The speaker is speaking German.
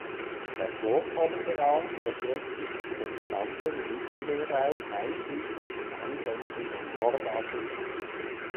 Das Vorkommen der Art erstreckt sich über den gesamten Mittelmeerraum einschließlich des angrenzenden Nordafrika.